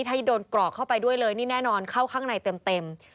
ถ้าโดนกรอกเข้าไปด้วยเลยนี่แน่นอนเข้าข้างในเต็ม